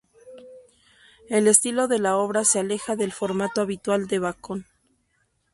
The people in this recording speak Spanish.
El estilo de la obra se aleja del formato habitual de Bacon.